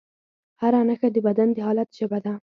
هره نښه د بدن د حالت ژبه ده.